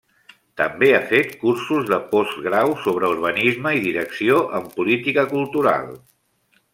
També ha fet cursos de postgrau sobre urbanisme i direcció en política cultural.